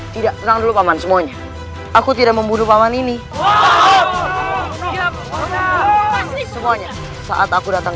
tidak terang dulu paman semuanya aku tidak membunuh paman ini semuanya saat aku datang